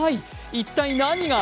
一体何が？